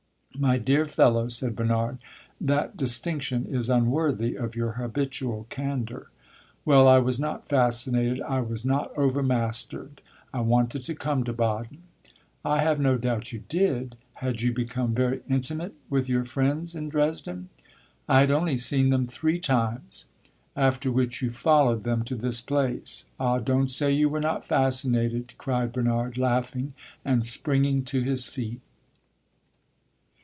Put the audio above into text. "My dear fellow," said Bernard, "that distinction is unworthy of your habitual candor." "Well, I was not fascinated; I was not overmastered. I wanted to come to Baden." "I have no doubt you did. Had you become very intimate with your friends in Dresden?" "I had only seen them three times." "After which you followed them to this place? Ah, don't say you were not fascinated!" cried Bernard, laughing and springing to his feet.